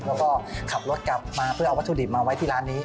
แล้วก็ขับรถกลับมาเพื่อเอาวัตถุดิบมาไว้ที่ร้านนี้